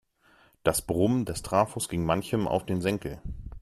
Das Brummen des Trafos ging manchem auf den Senkel.